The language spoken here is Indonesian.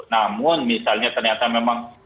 namun misalnya ternyata memang